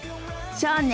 そうね。